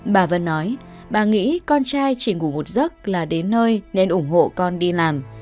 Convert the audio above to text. bà vân nói bà nghĩ con trai chỉ ngủ một giấc là đến nơi nên ủng hộ con đi làm